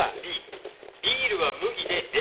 ビールは麦で「Ｍ」。